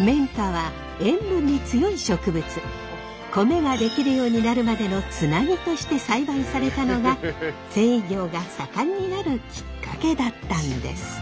米ができるようになるまでのつなぎとして栽培されたのが繊維業が盛んになるきっかけだったんです。